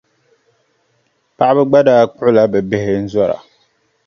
Paɣiba gba daa kpuɣila bɛ bihi n-zɔra.